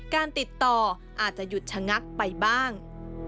การติดต่ออาจจะหยุดชะงักไปบ้าง